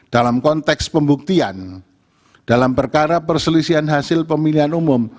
dalam konteks pembuktian dalam perkara perselisihan hasil pemilihan umum